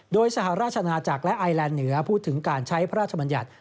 โดยสหราชนาจักรและไอแลนด์เหนือพูดถึงการใช้พระราชบัญญัติ